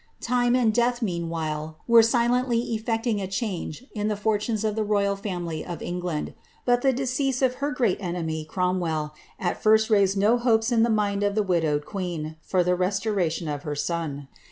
le and death, meanwhile, were silendy effecting a change in the iS of the royal family of England ; but the decease of her great , Cromwell, at first raised no hopes in the mind of the widowed for the restoration of her son.